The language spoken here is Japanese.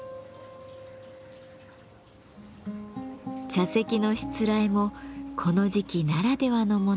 茶席のしつらえもこの時期ならではのものに。